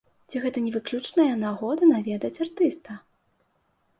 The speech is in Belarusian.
Ці гэта не выключная нагода наведаць артыста?